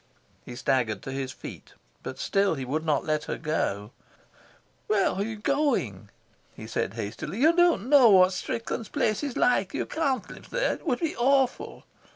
He staggered to his feet, but still he would not let her go. "Where are you going?" he said hastily. "You don't know what Strickland's place is like. You can't live there. It would be awful."